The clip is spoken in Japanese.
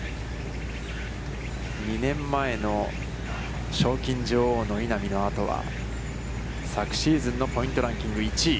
２年前の賞金女王の稲見の後は、昨シーズンのポイントランキング１位。